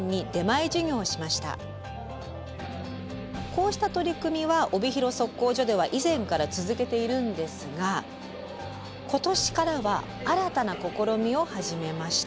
こうした取り組みは帯広測候所では以前から続けているんですが今年からは新たな試みを始めました。